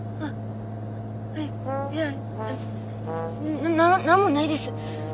いや何何もないです。